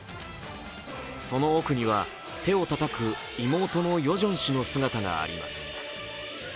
その奥には、手をたたく妹のヨジョン氏の姿があります。